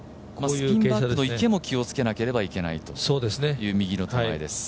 スピンバックの池も気をつけなければいけないという。